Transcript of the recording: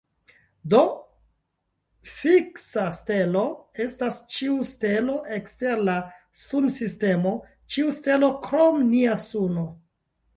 Do, fiksa stelo estas ĉiu stelo ekster la sunsistemo, ĉiu stelo krom nia suno.